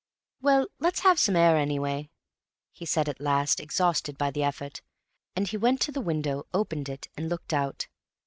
"Well, let's have some air, anyway," he said at last, exhausted by the effort, and he went to the window, opened it, and looked out.